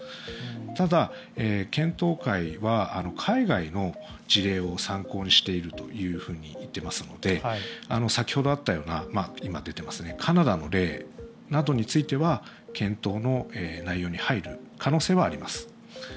ただ、検討会は海外の事例を参考にしているといっていますので先ほどあったようなカナダの例などについては検討の内容に入る可能性はあります。